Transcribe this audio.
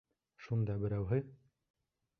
Шунда берәүһе: